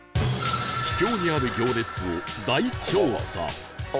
秘境にある行列を大調査